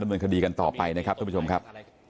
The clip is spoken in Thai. เมืองคดีกันต่อไปนะครับท่านผู้ชมครับ